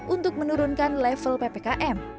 untuk menurunkan level ppkm